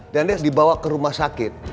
dan dia dibawa ke rumah sakit